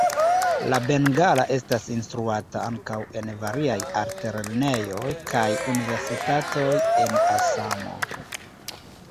La bengala estas instruata ankaŭ en variaj altlernejoj kaj universitatoj en Asamo.